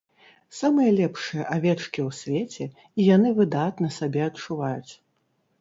Самыя лепшыя авечкі ў свеце, і яны выдатна сябе адчуваюць.